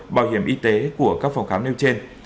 bảo hiểm y tế của các phòng khám nêu trên